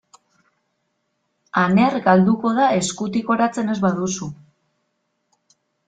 Aner galduko da eskutik oratzen ez baduzu.